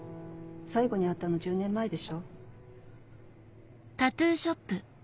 最後に会ったの１０年前でしょ。